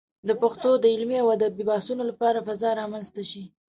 د پښتو د علمي او ادبي بحثونو لپاره فضا رامنځته شي.